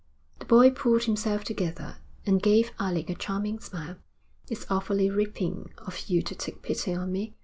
The boy pulled himself together and gave Alec a charming smile. 'It's awfully ripping of you to take pity on me.'